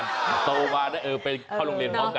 น้องอายุ๙เดือนแต่ว่าน้องโดนถมัน